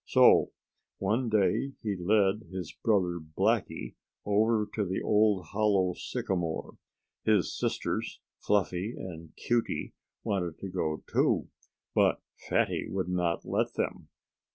So one day he led his brother Blackie over to the old hollow sycamore. His sisters, Fluffy and Cutey, wanted to go too. But Fatty would not let them.